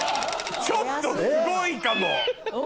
ちょっとすごいかも。